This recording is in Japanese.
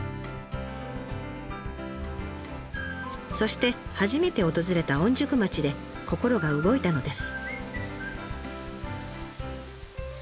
そして初めて訪れた御宿町で心が動いたのです。